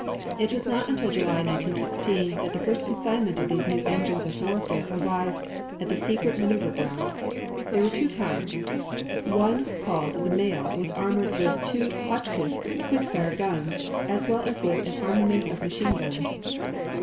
It was not until July, 1916, that the first consignment of these new engines of warfare arrived at the secret maneuver ground. There were two kinds. One called the male was armed with two Hotchkiss quick fire guns, as well as with an armament of machine guns.